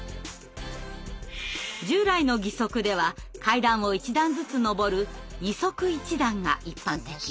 従来の義足では階段を１段ずつ上る「二足一段」が一般的。